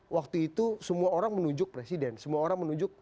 waktu itu semua orang menunjuk presiden semua orang menunjuk